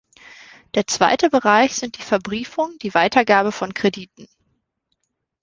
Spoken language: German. Der zweite Bereich sind die Verbriefungen, die Weitergabe von Krediten.